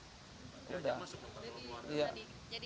ya sudah masuk ke luar